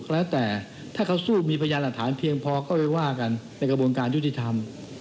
แล้วแต่ถ้าเขาสู้มีพยานหลักฐานเพียงพอก็ไปว่ากันในกระบวนการยุติธรรม